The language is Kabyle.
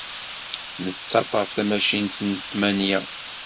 Nettaḍḍaf tamacint n ttmanya.